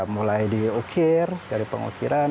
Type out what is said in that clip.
mulai diukir dari pengukiran